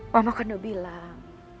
mama kan udah bilang